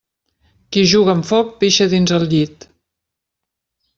Qui juga amb foc pixa dins el llit.